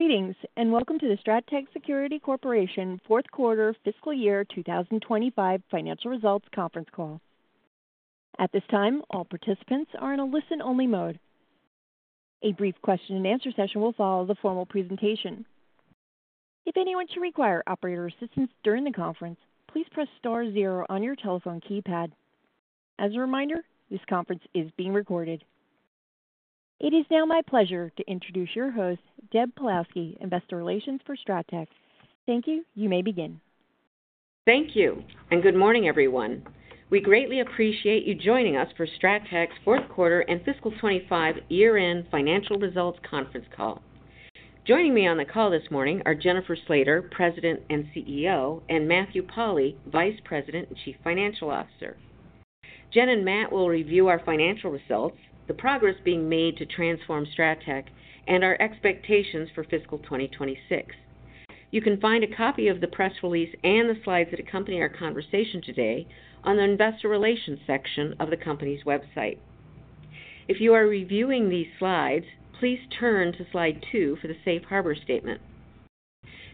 Greetings, and welcome to the STRATTEC Security Corporation fourth quarter fiscal year 2025 financial results conference call. At this time, all participants are in a listen-only mode. A brief question and answer session will follow the formal presentation. If anyone should require operator assistance during the conference, please press star zero on your telephone keypad. As a reminder, this conference is being recorded. It is now my pleasure to introduce your host, Deb Pawlowski of Investor Relations for STRATTEC. Thank you. You may begin. Thank you, and good morning, everyone. We greatly appreciate you joining us for STRATTEC's fourth quarter and fiscal 2025 year-end financial results conference call. Joining me on the call this morning are Jennifer Slater, President and CEO, and Matthew Pauli, Vice President and Chief Financial Officer. Jen and Matt will review our financial results, the progress being made to transform STRATTEC, and our expectations for fiscal 2026. You can find a copy of the press release and the slides that accompany our conversation today on the Investor Relations section of the company's website. If you are reviewing these slides, please turn to slide two for the safe harbor statement.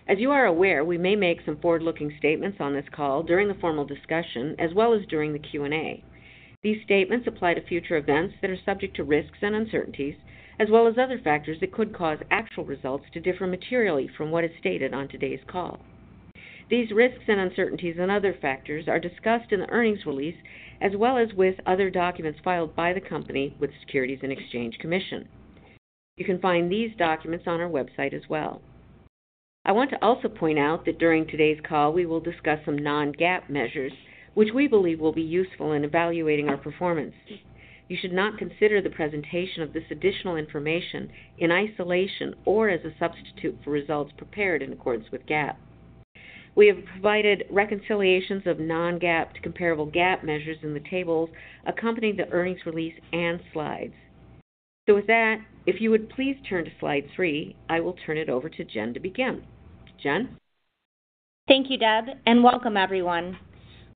As you are aware, we may make some forward-looking statements on this call during the formal discussion as well as during the Q&A. These statements apply to future events that are subject to risks and uncertainties, as well as other factors that could cause actual results to differ materially from what is stated on today's call. These risks and uncertainties and other factors are discussed in the earnings release, as well as with other documents filed by the company with the Securities and Exchange Commission. You can find these documents on our website as well. I want to also point out that during today's call, we will discuss some non-GAAP measures, which we believe will be useful in evaluating our performance. You should not consider the presentation of this additional information in isolation or as a substitute for results prepared in accordance with GAAP. We have provided reconciliations of non-GAAP to comparable GAAP measures in the tables accompanying the earnings release and slides. If you would please turn to slide three, I will turn it over to Jen to begin. Jen. Thank you, Deb, and welcome, everyone.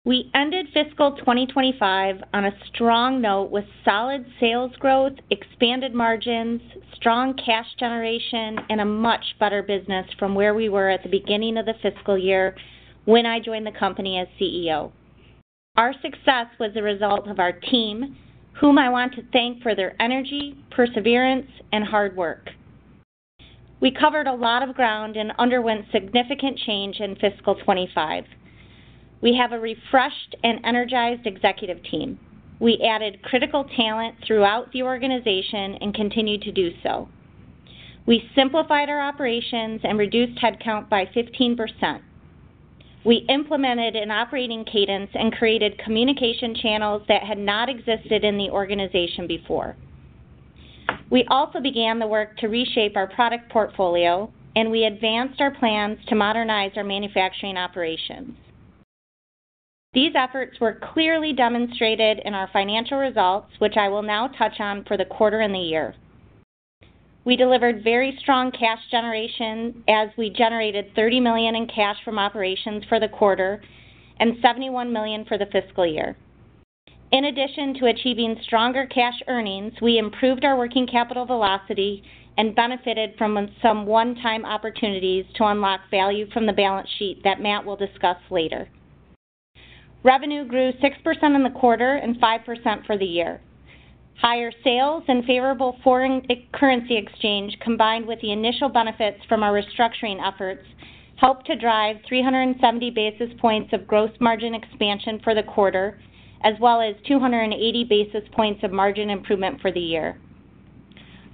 We ended fiscal 2025 on a strong note with solid sales growth, expanded margins, strong cash generation, and a much better business from where we were at the beginning of the fiscal year when I joined the company as CEO. Our success was a result of our team, whom I want to thank for their energy, perseverance, and hard work. We covered a lot of ground and underwent significant change in fiscal 2025. We have a refreshed and energized executive team. We added critical talent throughout the organization and continue to do so. We simplified our operations and reduced headcount by 15%. We implemented an operating cadence and created communication channels that had not existed in the organization before. We also began the work to reshape our product portfolio, and we advanced our plans to modernize our manufacturing operations. These efforts were clearly demonstrated in our financial results, which I will now touch on for the quarter and the year. We delivered very strong cash generation as we generated $30 million in cash from operations for the quarter and $71 million for the fiscal year. In addition to achieving stronger cash earnings, we improved our working capital velocity and benefited from some one-time opportunities to unlock value from the balance sheet that Matt will discuss later. Revenue grew 6% in the quarter and 5% for the year. Higher sales and favorable foreign currency exchange, combined with the initial benefits from our restructuring efforts, helped to drive 370 basis points of gross margin expansion for the quarter, as well as 280 basis points of margin improvement for the year.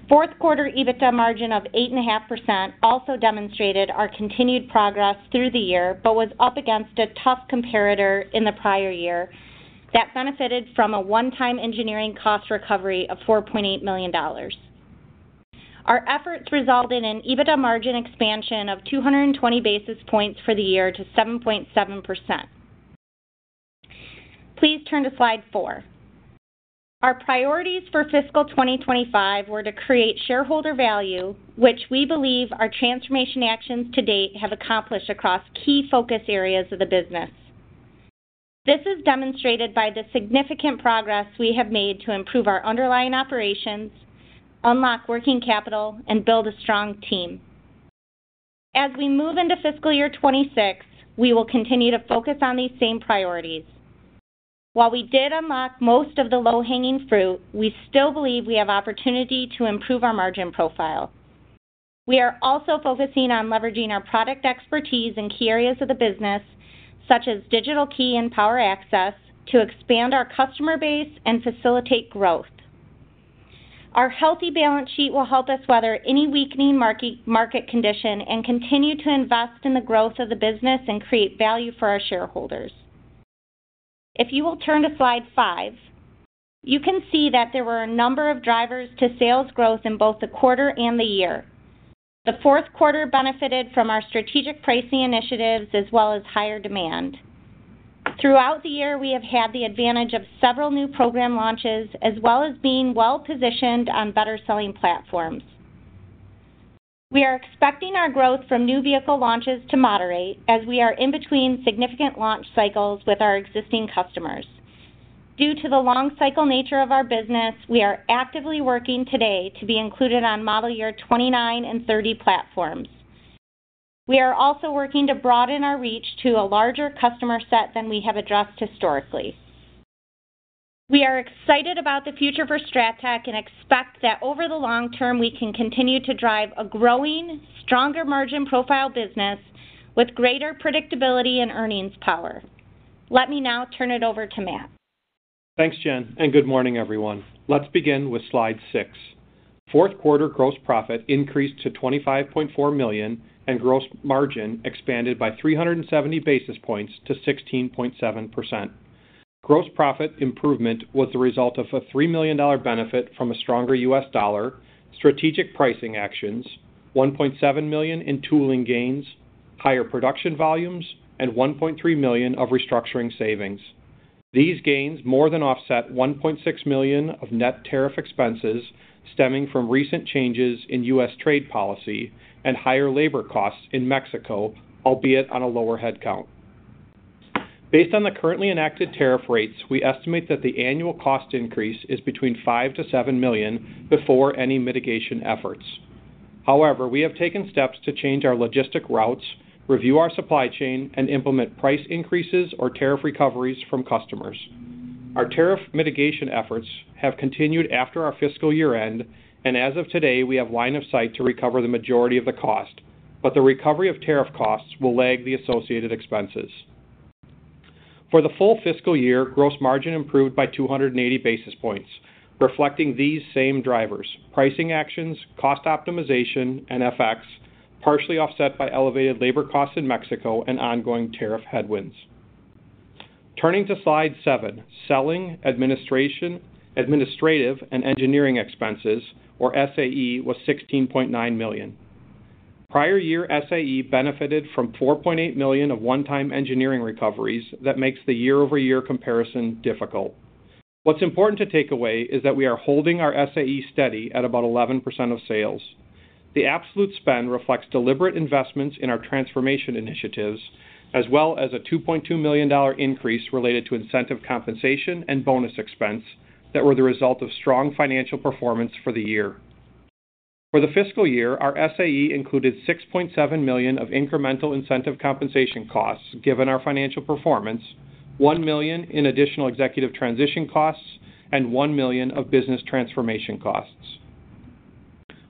Fourth quarter EBITDA margin of 8.5% also demonstrated our continued progress through the year, but was up against a tough comparator in the prior year that benefited from a one-time engineering cost recovery of $4.8 million. Our efforts resulted in an EBITDA margin expansion of 220 basis points for the year to 7.7%. Please turn to slide four. Our priorities for fiscal 2025 were to create shareholder value, which we believe our transformation actions to date have accomplished across key focus areas of the business. This is demonstrated by the significant progress we have made to improve our underlying operations, unlock working capital, and build a strong team. As we move into fiscal year 2026, we will continue to focus on these same priorities. While we did unlock most of the low-hanging fruit, we still believe we have opportunity to improve our margin profile. We are also focusing on leveraging our product expertise in key areas of the business, such as digital key and power access solutions, to expand our customer base and facilitate growth. Our healthy balance sheet will help us weather any weakening market condition and continue to invest in the growth of the business and create value for our shareholders. If you will turn to slide five, you can see that there were a number of drivers to sales growth in both the quarter and the year. The fourth quarter benefited from our strategic pricing initiatives, as well as higher demand. Throughout the year, we have had the advantage of several new program launches, as well as being well-positioned on better selling platforms. We are expecting our growth from new vehicle launches to moderate, as we are in between significant launch cycles with our existing customers. Due to the long-cycle nature of our business, we are actively working today to be included on model year 2029 and 2030 platforms. We are also working to broaden our reach to a larger customer set than we have addressed historically. We are excited about the future for STRATTEC and expect that over the long term, we can continue to drive a growing, stronger margin profile business with greater predictability and earnings power. Let me now turn it over to Matt. Thanks, Jen, and good morning, everyone. Let's begin with slide six. Fourth quarter gross profit increased to $25.4 million and gross margin expanded by 370 basis points to 16.7%. Gross profit improvement was the result of a $3 million benefit from a stronger US dollar, strategic pricing actions, $1.7 million in tooling gains, higher production volumes, and $1.3 million of restructuring savings. These gains more than offset $1.6 million of net tariff expenses stemming from recent changes in U.S. trade policy and higher labor costs in Mexico, albeit on a lower headcount. Based on the currently enacted tariff rates, we estimate that the annual cost increase is between $5 million-$7 million before any mitigation efforts. However, we have taken steps to change our logistic routes, review our supply chain, and implement price increases or tariff recoveries from customers. Our tariff mitigation efforts have continued after our fiscal year end, and as of today, we have line of sight to recover the majority of the cost, but the recovery of tariff costs will lag the associated expenses. For the full fiscal year, gross margin improved by 280 basis points, reflecting these same drivers: pricing actions, cost optimization, and FX partially offset by elevated labor costs in Mexico and ongoing tariff headwinds. Turning to slide seven, selling, administration, administrative, and engineering expenses, or SAE, was $16.9 million. Prior year, SAE benefited from $4.8 million of one-time engineering recoveries that makes the year-over-year comparison difficult. What's important to take away is that we are holding our SAE steady at about 11% of sales. The absolute spend reflects deliberate investments in our transformation initiatives, as well as a $2.2 million increase related to incentive compensation and bonus expense that were the result of strong financial performance for the year. For the fiscal year, our SAE included $6.7 million of incremental incentive compensation costs given our financial performance, $1 million in additional executive transition costs, and $1 million of business transformation costs.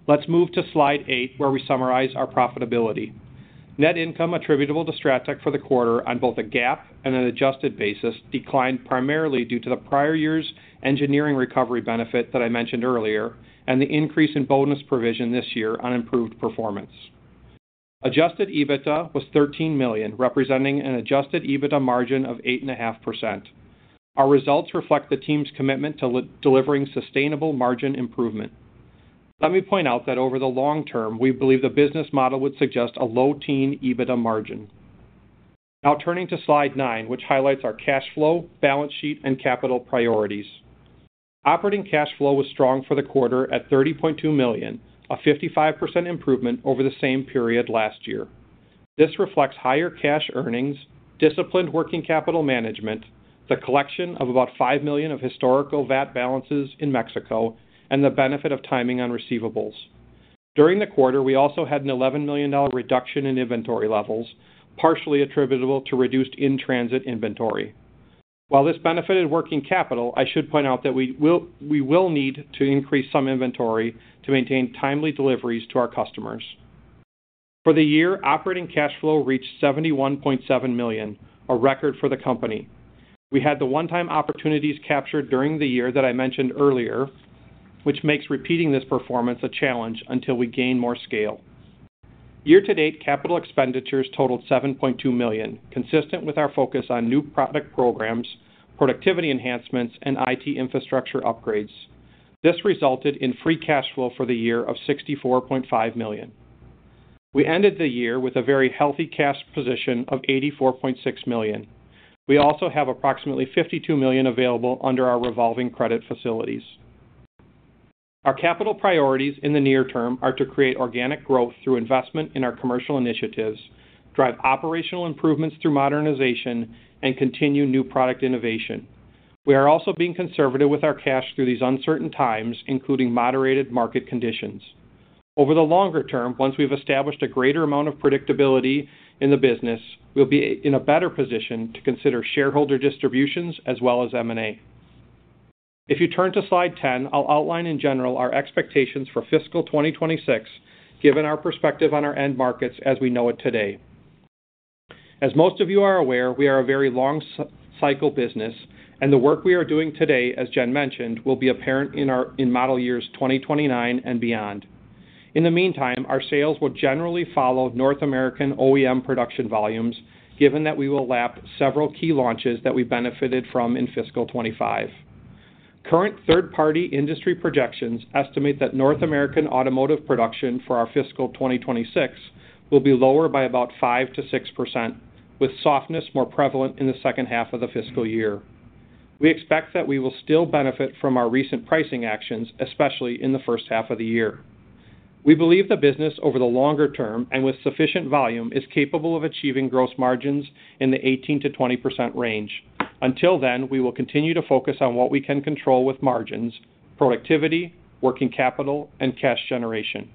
Let's move to slide eight, where we summarize our profitability. Net income attributable to STRATTEC for the quarter on both a GAAP and an adjusted basis declined primarily due to the prior year's engineering recovery benefit that I mentioned earlier and the increase in bonus provision this year on improved performance. Adjusted EBITDA was $13 million, representing an adjusted EBITDA margin of 8.5%. Our results reflect the team's commitment to delivering sustainable margin improvement. Let me point out that over the long term, we believe the business model would suggest a low-teens EBITDA margin. Now turning to slide nine, which highlights our cash flow, balance sheet, and capital priorities. Operating cash flow was strong for the quarter at $30.2 million, a 55% improvement over the same period last year. This reflects higher cash earnings, disciplined working capital management, the collection of about $5 million of historical VAT balances in Mexico, and the benefit of timing on receivables. During the quarter, we also had an $11 million reduction in inventory levels, partially attributable to reduced in-transit inventory. While this benefited working capital, I should point out that we will need to increase some inventory to maintain timely deliveries to our customers. For the year, operating cash flow reached $71.7 million, a record for the company. We had the one-time opportunities captured during the year that I mentioned earlier, which makes repeating this performance a challenge until we gain more scale. Year-to-date, capital expenditures totaled $7.2 million, consistent with our focus on new product programs, productivity enhancements, and IT infrastructure upgrades. This resulted in free cash flow for the year of $64.5 million. We ended the year with a very healthy cash position of $84.6 million. We also have approximately $52 million available under our revolving credit facilities. Our capital priorities in the near term are to create organic growth through investment in our commercial initiatives, drive operational improvements through modernization, and continue new product innovation. We are also being conservative with our cash through these uncertain times, including moderated market conditions. Over the longer term, once we've established a greater amount of predictability in the business, we'll be in a better position to consider shareholder distributions as well as M&A. If you turn to slide 10, I'll outline in general our expectations for fiscal 2026, given our perspective on our end markets as we know it today. As most of you are aware, we are a very long-cycle business, and the work we are doing today, as Jen mentioned, will be apparent in model years 2029 and beyond. In the meantime, our sales will generally follow North American OEM production volumes, given that we will lapse several key launches that we benefited from in fiscal 2025. Current third-party industry projections estimate that North American automotive production for our fiscal 2026 will be lower by about 5%-6%, with softness more prevalent in the second half of the fiscal year. We expect that we will still benefit from our recent pricing actions, especially in the first half of the year. We believe the business over the longer term and with sufficient volume is capable of achieving gross margins in the 18%-20% range. Until then, we will continue to focus on what we can control with margins, productivity, working capital, and cash generation.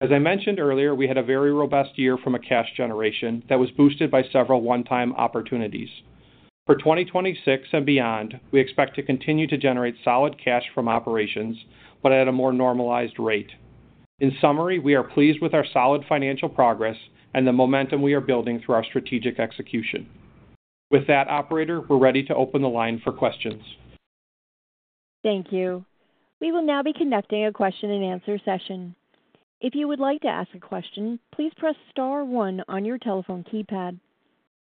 As I mentioned earlier, we had a very robust year from a cash generation that was boosted by several one-time opportunities. For 2026 and beyond, we expect to continue to generate solid cash from operations, but at a more normalized rate. In summary, we are pleased with our solid financial progress and the momentum we are building through our strategic execution. With that, operator, we're ready to open the line for questions. Thank you. We will now be conducting a question and answer session. If you would like to ask a question, please press star one on your telephone keypad.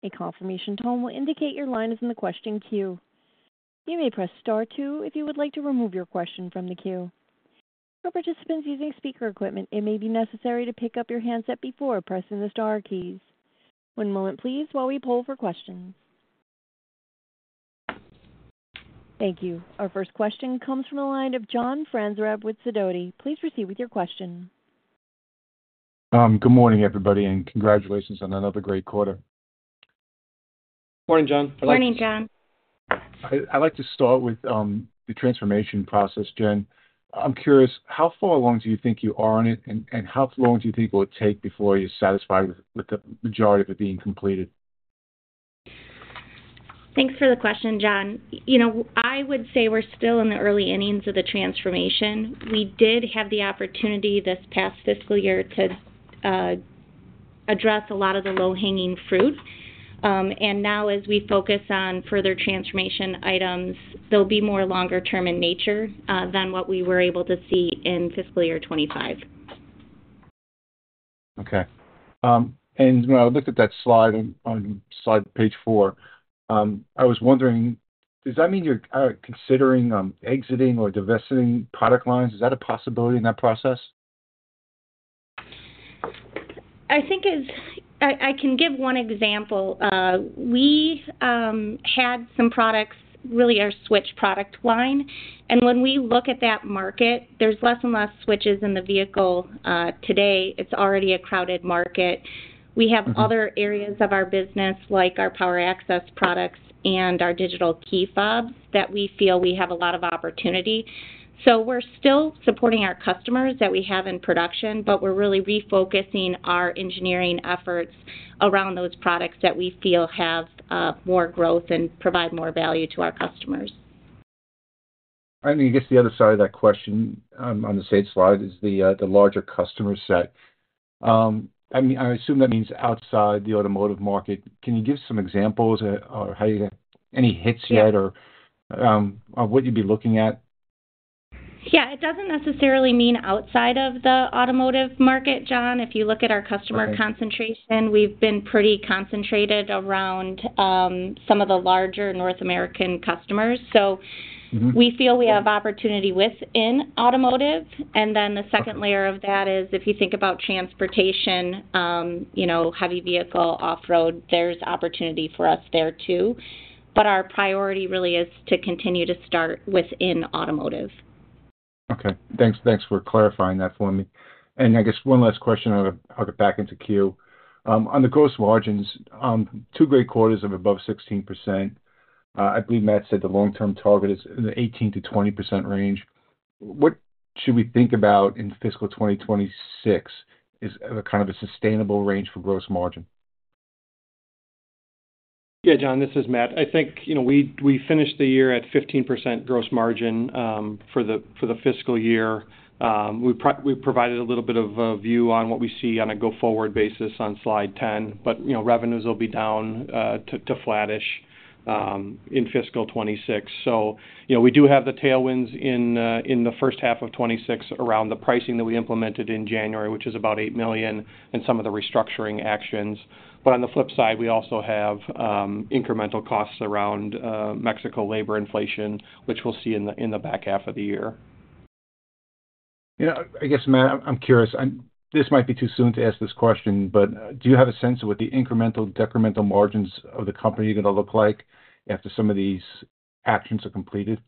A confirmation tone will indicate your line is in the question queue. You may press star two if you would like to remove your question from the queue. For participants using speaker equipment, it may be necessary to pick up your handset before pressing the star keys. One moment, please, while we poll for questions. Thank you. Our first question comes from the line of John Franzreb with Sidoti. Please proceed with your question. Good morning, everybody, and congratulations on another great quarter. Morning, John. Morning, John. I'd like to start with the transformation process, Jen. I'm curious, how far along do you think you are on it, and how long do you think it will take before you're satisfied with the majority of it being completed? Thanks for the question, John. You know, I would say we're still in the early innings of the transformation. We did have the opportunity this past fiscal year to address a lot of the low-hanging fruit. Now, as we focus on further transformation items, they'll be more longer-term in nature than what we were able to see in fiscal year 2025. When I looked at that slide on page four, I was wondering, does that mean you're considering exiting or divesting product lines? Is that a possibility in that process? I think I can give one example. We had some products, really our switch product line. When we look at that market, there's less and less switches in the vehicle. Today, it's already a crowded market. We have other areas of our business, like our power access solutions and our digital key fobs, that we feel we have a lot of opportunity. We're still supporting our customers that we have in production, but we're really refocusing our engineering efforts around those products that we feel have more growth and provide more value to our customers. I'm going to guess the other side of that question on the same slide is the larger customer set. I assume that means outside the automotive market. Can you give some examples or have you had any hits yet, or what you'd be looking at? Yeah, it doesn't necessarily mean outside of the automotive market, John. If you look at our customer concentration, we've been pretty concentrated around some of the larger North American customers. We feel we have opportunity within automotive. The second layer of that is if you think about transportation, you know, heavy vehicle, off-road, there's opportunity for us there too. Our priority really is to continue to start within automotive. Okay. Thanks. Thanks for clarifying that for me. I guess one last question, I'll get back into queue. On the gross margins, two great quarters of above 16%. I believe Matt said the long-term target is in the 18%-20% range. What should we think about in fiscal 2026 as kind of a sustainable range for gross margin? Yeah, John, this is Matt. I think, you know, we finished the year at 15% gross margin for the fiscal year. We provided a little bit of a view on what we see on a go-forward basis on slide 10. Revenues will be down to flattish in fiscal 2026. We do have the tailwinds in the first half of 2026 around the pricing that we implemented in January, which is about $8 million, and some of the restructuring actions. On the flip side, we also have incremental costs around Mexico labor inflation, which we'll see in the back half of the year. You know, I guess, Matt, I'm curious, this might be too soon to ask this question, but do you have a sense of what the incremental and decremental margins of the company are going to look like after some of these actions are completed?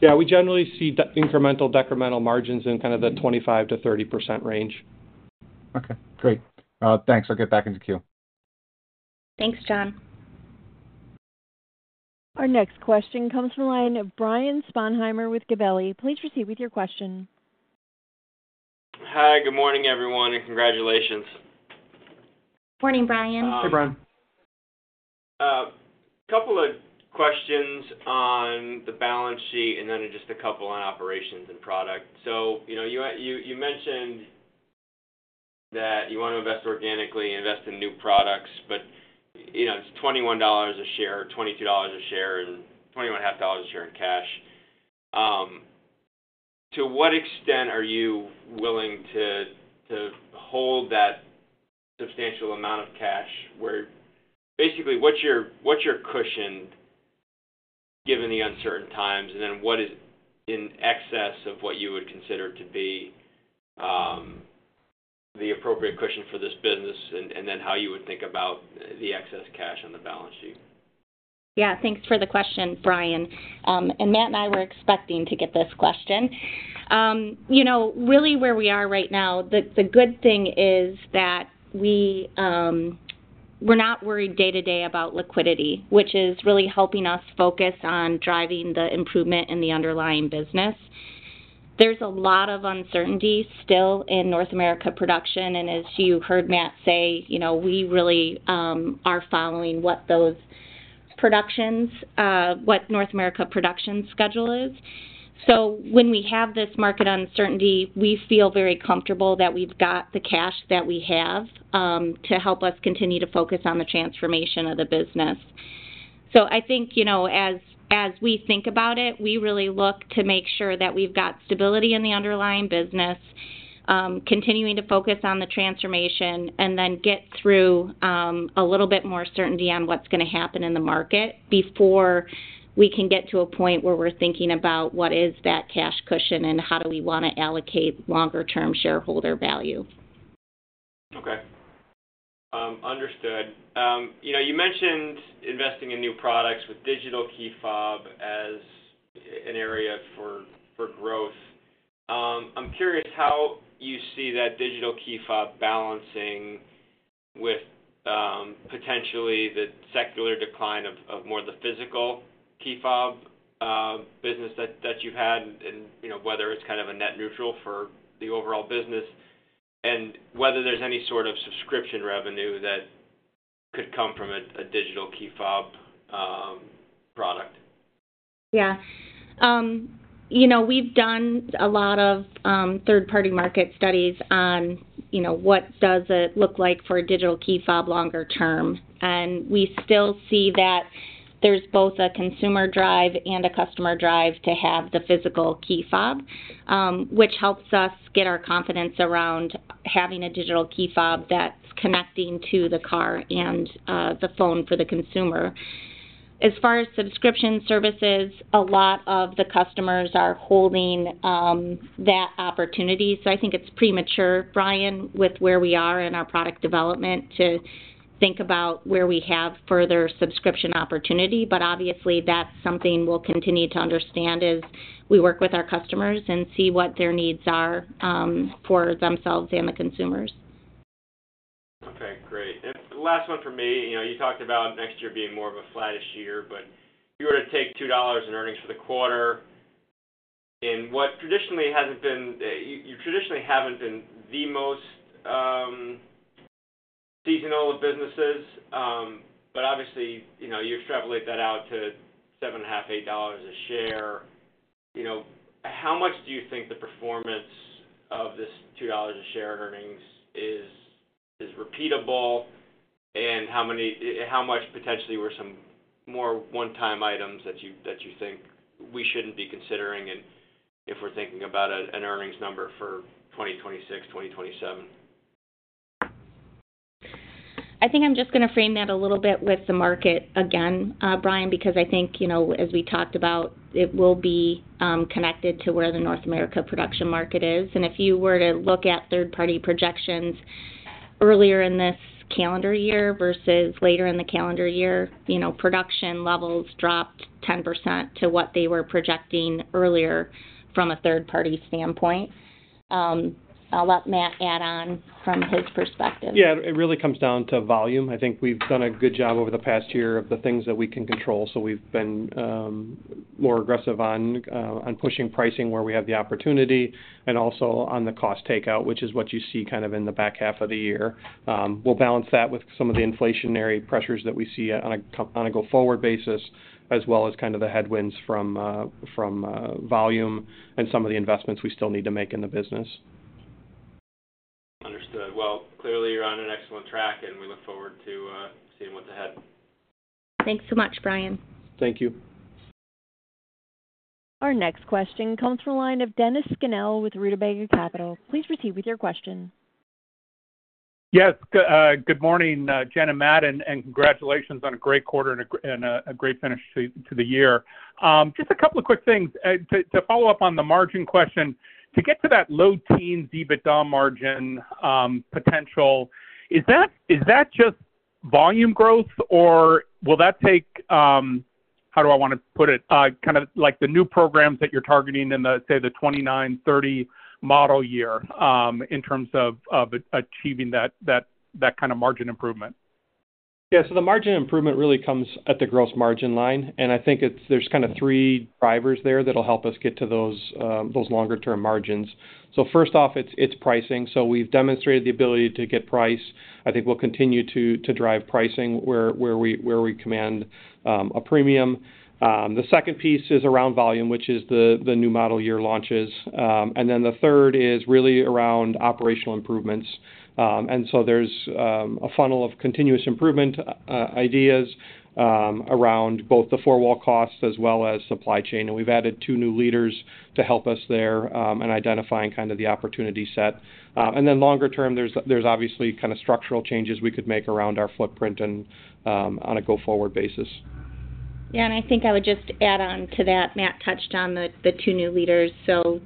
Yeah, we generally see incremental and decremental margins in kind of the 25%-30% range. Okay, great. Thanks. I'll get back into queue. Thanks, John. Our next question comes from a line of Brian Sponheimer with Gabelli. Please proceed with your question. Hi, good morning, everyone, and congratulations. Morning, Brian. Hey, Brian. A couple of questions on the balance sheet and then just a couple on operations and product. You mentioned that you want to invest organically and invest in new products, but it's $21 a share, $22 a share, and $21.50 a share in cash. To what extent are you willing to hold that substantial amount of cash? Where basically, what's your cushion given the uncertain times? What is in excess of what you would consider to be the appropriate cushion for this business? How you would think about the excess cash on the balance sheet. Yeah, thanks for the question, Brian. Matt and I were expecting to get this question. You know, really where we are right now, the good thing is that we're not worried day-to-day about liquidity, which is really helping us focus on driving the improvement in the underlying business. There's a lot of uncertainty still in North America production. As you heard Matt say, you know, we really are following what those productions, what North America production schedule is. When we have this market uncertainty, we feel very comfortable that we've got the cash that we have to help us continue to focus on the transformation of the business. I think, you know, as we think about it, we really look to make sure that we've got stability in the underlying business, continuing to focus on the transformation, and then get through a little bit more certainty on what's going to happen in the market before we can get to a point where we're thinking about what is that cash cushion and how do we want to allocate longer-term shareholder value. Okay. Understood. You mentioned investing in new products with digital key fob as an area for growth. I'm curious how you see that digital key fob balancing with potentially the secular decline of more of the physical key fob business that you've had and whether it's kind of a net neutral for the overall business and whether there's any sort of subscription revenue that could come from a digital key fob product. Yeah. We've done a lot of third-party market studies on what does it look like for a digital key fob longer term. We still see that there's both a consumer drive and a customer drive to have the physical key fob, which helps us get our confidence around having a digital key fob that's connecting to the car and the phone for the consumer. As far as subscription services, a lot of the customers are holding that opportunity. I think it's premature, Brian, with where we are in our product development to think about where we have further subscription opportunity. Obviously, that's something we'll continue to understand as we work with our customers and see what their needs are for themselves and the consumers. Okay, great. The last one for me, you talked about next year being more of a flattish year, but if you were to take $2 in earnings for the quarter in what traditionally hasn't been, you traditionally haven't been the most seasonal of businesses, but obviously, you extrapolate that out to $7.5-$8 a share. How much do you think the performance of this $2 a share in earnings is repeatable? How much potentially were some more one-time items that you think we shouldn't be considering? If we're thinking about an earnings number for 2026, 2027. I think I'm just going to frame that a little bit with the market again, Brian, because I think, you know, as we talked about, it will be connected to where the North America production market is. If you were to look at third-party projections earlier in this calendar year versus later in the calendar year, production levels dropped 10% to what they were projecting earlier from a third-party standpoint. I'll let Matt add on from his perspective. Yeah, it really comes down to volume. I think we've done a good job over the past year of the things that we can control. We've been more aggressive on pushing pricing where we have the opportunity and also on the cost takeout, which is what you see in the back half of the year. We'll balance that with some of the inflationary pressures that we see on a go-forward basis, as well as the headwinds from volume and some of the investments we still need to make in the business. Understood. Clearly, you're on an excellent track, and we look forward to seeing what's ahead. Thanks so much, Brian. Thank you. Our next question comes from the line of Dennis Scannell with Rutabaga Capital. Please proceed with your question. Yes, good morning, Jen and Matt, and congratulations on a great quarter and a great finish to the year. Just a couple of quick things. To follow up on the margin question, to get to that low-teens EBITDA margin potential, is that just volume growth, or will that take, how do I want to put it, kind of like the new programs that you're targeting in the, say, the 2029, 2030 model year in terms of achieving that kind of margin improvement? Yeah, the margin improvement really comes at the gross margin line, and I think there's kind of three drivers there that'll help us get to those longer-term margins. First off, it's pricing. We've demonstrated the ability to get price. I think we'll continue to drive pricing where we command a premium. The second piece is around volume, which is the new model year launches. The third is really around operational improvements. There's a funnel of continuous improvement ideas around both the four-wall costs as well as supply chain. We've added two new leaders to help us there in identifying kind of the opportunity set. Longer term, there's obviously kind of structural changes we could make around our footprint and on a go-forward basis. Yeah, I think I would just add on to that. Matt touched on the two new leaders.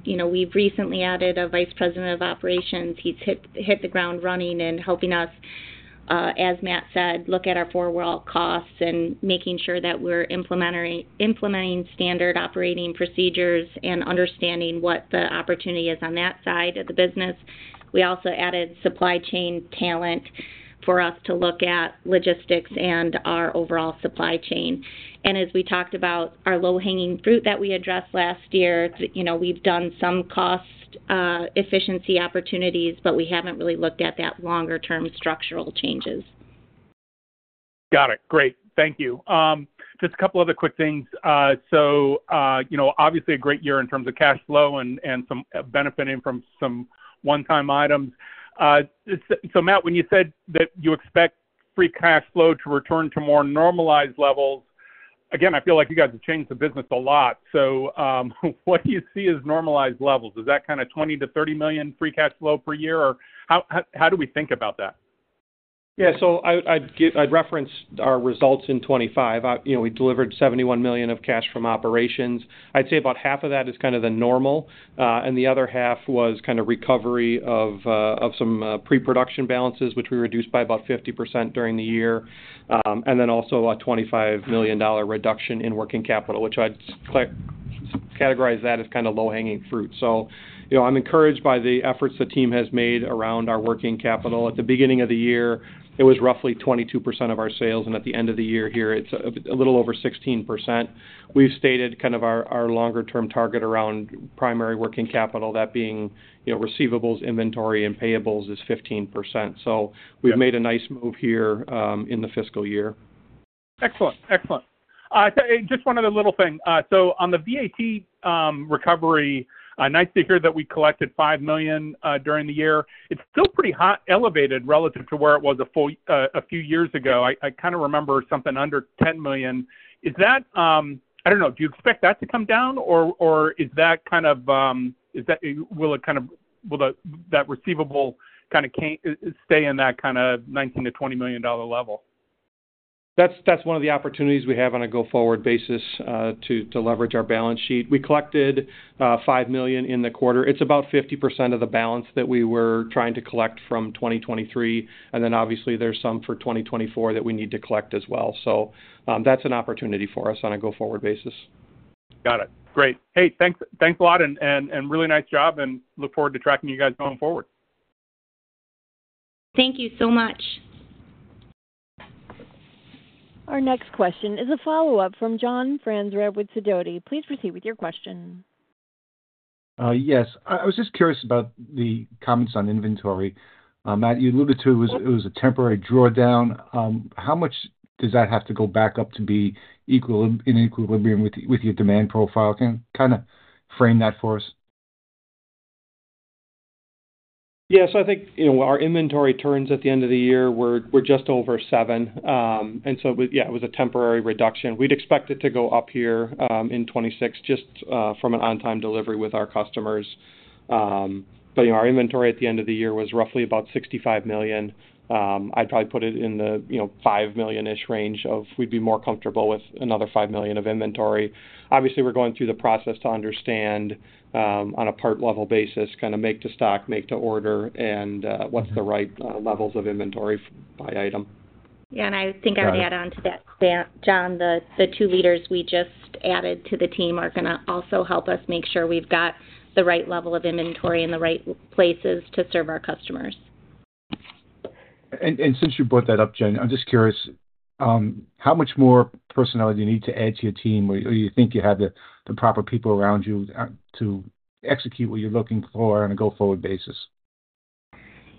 We've recently added a Vice President of Operations. He's hit the ground running and helping us, as Matt said, look at our four-wall costs and making sure that we're implementing standard operating procedures and understanding what the opportunity is on that side of the business. We also added supply chain talent for us to look at logistics and our overall supply chain. As we talked about our low-hanging fruit that we addressed last year, we've done some cost efficiency opportunities, but we haven't really looked at that longer-term structural changes. Got it. Great. Thank you. Just a couple of other quick things. Obviously a great year in terms of cash flow and some benefiting from some one-time items. Matt, when you said that you expect free cash flow to return to more normalized levels, again, I feel like you guys have changed the business a lot. What do you see as normalized levels? Is that kind of $20 million-$30 million free cash flow per year, or how do we think about that? Yeah, so I'd reference our results in 2025. You know, we delivered $71 million of cash from operations. I'd say about half of that is kind of the normal, and the other half was kind of recovery of some pre-production balances, which we reduced by about 50% during the year. There was also a $25 million reduction in working capital, which I'd categorize as kind of low-hanging fruit. You know, I'm encouraged by the efforts the team has made around our working capital. At the beginning of the year, it was roughly 22% of our sales, and at the end of the year here, it's a little over 16%. We've stated kind of our longer-term target around primary working capital, that being, you know, receivables, inventory, and payables is 15%. We've made a nice move here in the fiscal year. Excellent. Excellent. Just one other little thing. On the VAT recovery, nice to hear that we collected $5 million during the year. It's still pretty high, elevated relative to where it was a few years ago. I kind of remember something under $10 million. Do you expect that to come down, or will that receivable kind of stay in that $19 million-$20 million level? That's one of the opportunities we have on a go-forward basis to leverage our balance sheet. We collected $5 million in the quarter. It's about 50% of the balance that we were trying to collect from 2023. Obviously, there's some for 2024 that we need to collect as well. That's an opportunity for us on a go-forward basis. Got it. Great. Hey, thanks a lot. Really nice job and look forward to tracking you guys going forward. Thank you so much. Our next question is a follow-up from John Franzreb with Sidoti. Please proceed with your question. Yes, I was just curious about the comments on inventory. Matt, you alluded to it was a temporary drawdown. How much does that have to go back up to be in equilibrium with your demand profile? Can you kind of frame that for us? Yeah, so I think, you know, our inventory turns at the end of the year were just over seven. It was a temporary reduction. We'd expect it to go up here in 2026 just from an on-time delivery with our customers. Our inventory at the end of the year was roughly about $65 million. I'd probably put it in the $5 million-ish range of we'd be more comfortable with another $5 million of inventory. Obviously, we're going through the process to understand on a part-level basis, kind of make to stock, make to order, and what's the right levels of inventory by item. Yeah, I think I would add on to that, John, the two leaders we just added to the team are going to also help us make sure we've got the right level of inventory in the right places to serve our customers. Since you brought that up, Jen, I'm just curious, how much more personnel do you need to add to your team? Do you think you have the proper people around you to execute what you're looking for on a go-forward basis?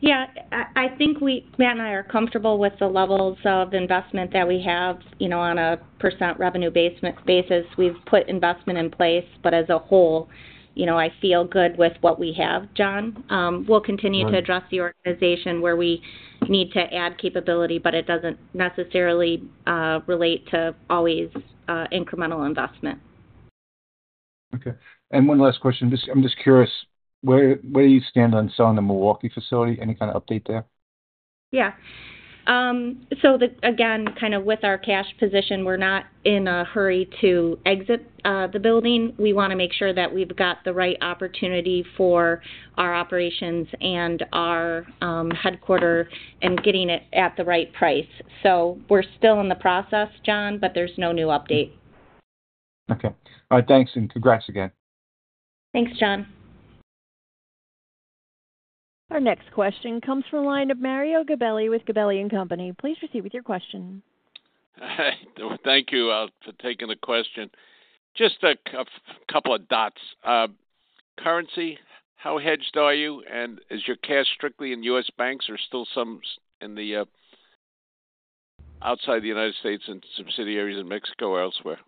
Yeah, I think we, Matt and I, are comfortable with the levels of investment that we have, you know, on a % revenue basis. We've put investment in place, but as a whole, you know, I feel good with what we have, John. We'll continue to address the organization where we need to add capability, but it doesn't necessarily relate to always incremental investment. Okay. One last question. I'm just curious, where do you stand on selling the Milwaukee facility? Any kind of update there? Yeah. Again, kind of with our cash position, we're not in a hurry to exit the building. We want to make sure that we've got the right opportunity for our operations and our headquarter and getting it at the right price. We're still in the process, John, but there's no new update. Okay. All right. Thanks and congrats again. Thanks, John. Our next question comes from a line of Mario Gabelli with Gabelli and Company. Please proceed with your question. Thank you for taking the question. Just a couple of dots. Currency, how hedged are you? Is your cash strictly in U.S. banks or still some in the outside the United States and subsidiaries in Mexico or elsewhere?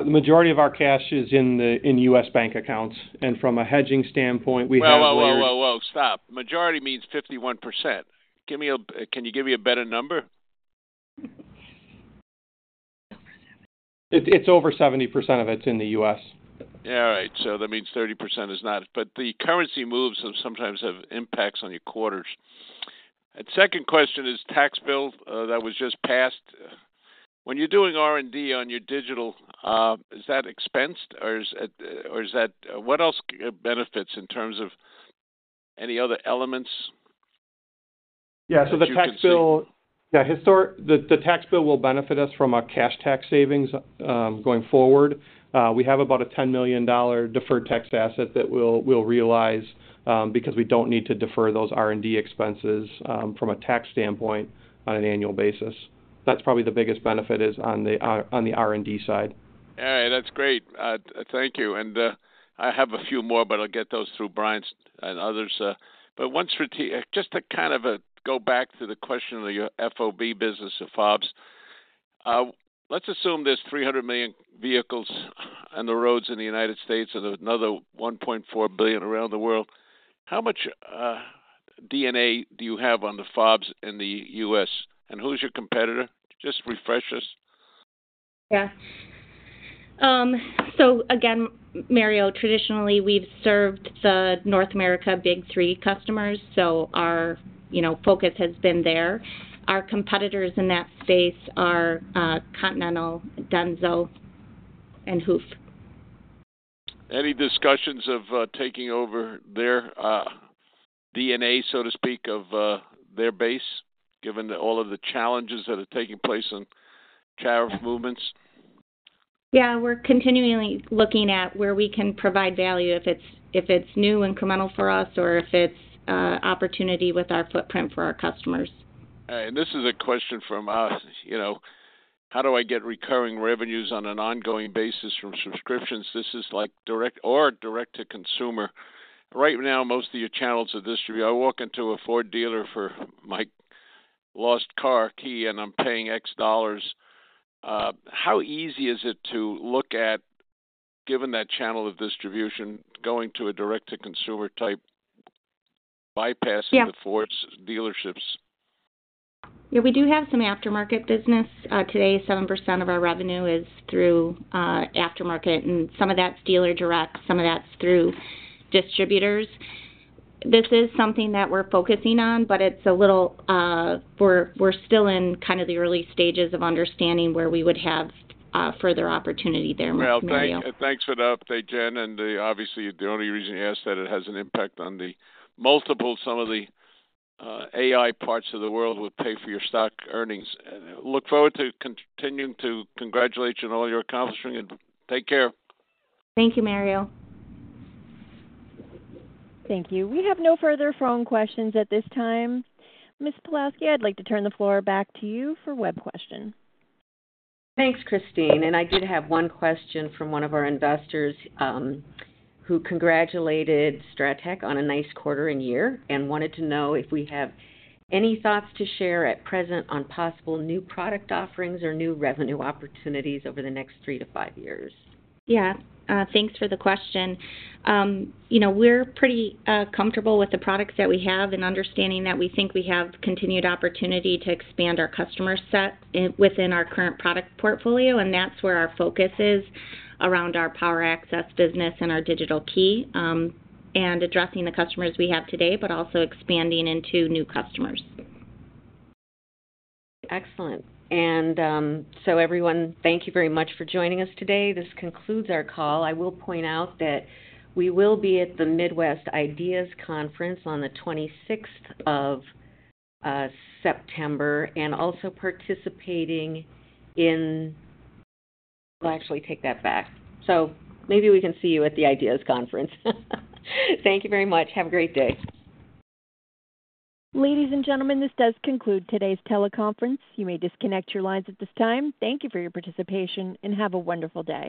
The majority of our cash is in the U.S. bank accounts. From a hedging standpoint, we have layers. The majority means 51%. Can you give me a better number? It's over 70% of it's in the U.S. All right. That means 30% is not, but the currency moves sometimes have impacts on your quarters. The second question is the tax bill that was just passed. When you're doing R&D on your digital, is that expensed or is that, what else benefits in terms of any other elements? Yeah, the tax bill will benefit us from our cash tax savings going forward. We have about a $10 million deferred tax asset that we'll realize because we don't need to defer those R&D expenses from a tax standpoint on an annual basis. That's probably the biggest benefit is on the R&D side. All right, that's great. Thank you. I have a few more, but I'll get those through Brian and others. Just to kind of go back to the question of your fob business, let's assume there's 300 million vehicles on the roads in the U.S. and another 1.4 billion around the world. How much DNA do you have on the fobs in the U.S.? Who's your competitor? Just refresh us. Yeah. Again, Mario, traditionally, we've served the North America Big Three customers. Our focus has been there. Our competitors in that space are Continental, Denso, and Huf. Any discussions of taking over their DNA, so to speak, of their base, given all of the challenges that are taking place in tariff movements? Yeah, we're continually looking at where we can provide value, if it's new incremental for us or if it's opportunity with our footprint for our customers. All right, and this is a question from us. You know, how do I get recurring revenues on an ongoing basis from subscriptions? This is like direct or direct to consumer. Right now, most of your channels of distribution, I walk into a Ford dealer for my lost car key and I'm paying X dollars. How easy is it to look at, given that channel of distribution, going to a direct-to-consumer type bypass to the Ford's dealerships? Yeah, we do have some aftermarket business. Today, 7% of our revenue is through aftermarket, and some of that's dealer direct, some of that's through distributors. This is something that we're focusing on, but it's a little, we're still in kind of the early stages of understanding where we would have further opportunity there. Thanks for the update, Jen. The only reason you asked that is it has an impact on the multiple, some of the AI parts of the world will pay for your stock earnings. Look forward to continuing to congratulate you on all your accomplishments. Take care. Thank you, Mario. Thank you. We have no further phone questions at this time. Ms. Pawlowski, I'd like to turn the floor back to you for a web question. Thanks, Christine. I did have one question from one of our investors who congratulated STRATTEC on a nice quarter and year and wanted to know if we have any thoughts to share at present on possible new product offerings or new revenue opportunities over the next three to five years. Yeah, thanks for the question. You know, we're pretty comfortable with the products that we have and understanding that we think we have continued opportunity to expand our customer set within our current product portfolio. That's where our focus is around our power access solutions business and our digital key and addressing the customers we have today, but also expanding into new customers. Excellent. Thank you very much for joining us today. This concludes our call. I will point out that we will be at the Midwest IDEAS Conference on the 26th of September. Maybe we can see you at the IDEAS Conference. Thank you very much. Have a great day. Ladies and gentlemen, this does conclude today's teleconference. You may disconnect your lines at this time. Thank you for your participation and have a wonderful day.